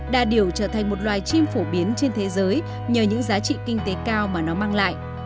đà điểu trở thành một loài chim phổ biến trên thế giới nhờ những giá trị kinh tế cao mà nó mang lại